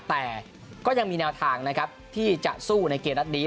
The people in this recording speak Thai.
แต่ก็ยังมีแนวทางนะครับที่จะสู้ในเกมนัดนี้